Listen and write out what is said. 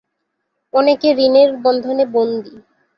অনেকে ঋণের বন্ধনে বন্দী।